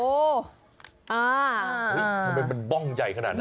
ทำไมมันบ้องใหญ่ขนาดนั้น